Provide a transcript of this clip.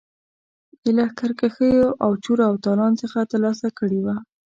د لښکرکښیو او چور او تالان څخه ترلاسه کړي وه.